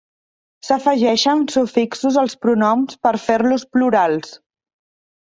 S'afegeixen sufixos als pronoms per fer-los plurals.